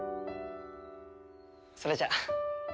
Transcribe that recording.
それじゃ。